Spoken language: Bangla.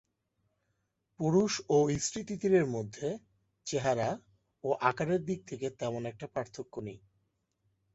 পুরুষ ও স্ত্রী তিতিরের মধ্যে চেহারা ও আকারের দিক থেকে তেমন একটা পার্থক্য নেই।